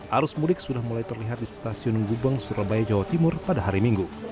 arus mudik sudah mulai terlihat di stasiun gubeng surabaya jawa timur pada hari minggu